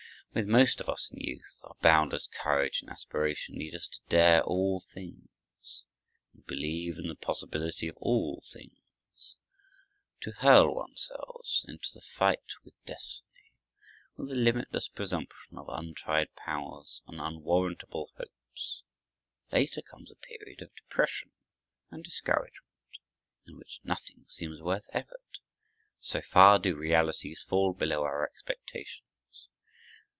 With most of us in youth, our boundless courage and aspiration lead us to dare all things and believe in the possibility of all things; to hurl ourselves into the fight with destiny, with the limitless presumption of untried powers and unwarrantable hopes. Later comes a period of depression and discouragement, in which nothing seems worth effort, so far do realities fall below our expectations.